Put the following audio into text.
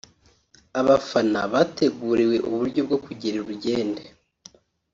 Abafana bateguriwe uburyo bwo kugera i Rugende